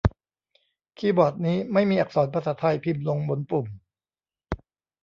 คีย์บอร์ดนี้ไม่มีอักษรภาษาไทยพิมพ์ลงบนปุ่ม